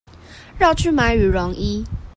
繞去買羽絨衣